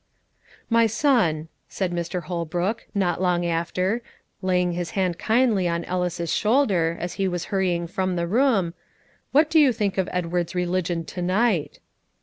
"My son," said Mr. Holbrook, not long after, laying his hand kindly on Ellis's shoulder, as he was hurrying from the room, "what do you think of Edward's religion to night?"